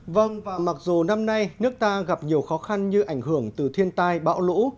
vâng và mặc dù năm nay nước ta gặp nhiều khó khăn như ảnh hưởng từ thiên tai bão lũ